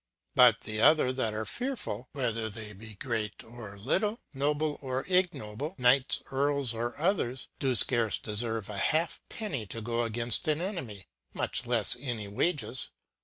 But the other that are fearful, whether they be great or little, Noble or Ignoble , Knights, Earlsj or other?, dofcarce defervea halfc peny to go againft an enemy , much lefs any wages.